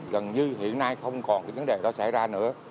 gần như hiện nay không còn cái vấn đề đó xảy ra nữa